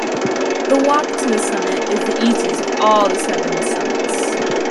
The walk to the summit is the easiest of all the Seven Summits.